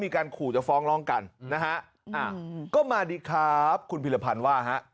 ก็มาดิครับ